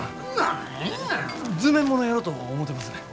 図面ものやろと思てますねん。